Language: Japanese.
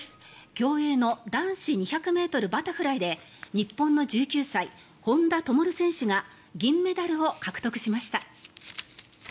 競泳の男子２００ｍバタフライで日本の１９歳、本多灯選手が銀メダルを獲得しました。